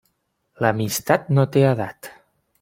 L'amistat no té edat.